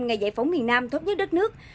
ngày giải phóng miền nam thốt nhất đất nước